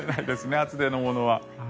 厚手のものは。